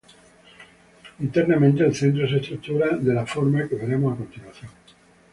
Internamente, el centro se estructura de la forma que veremos a continuación.